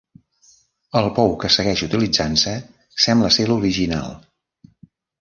El pou, que segueix utilitzant-se, sembla ser l'original.